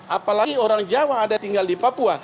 apalagi orang jawa ada tinggal di papua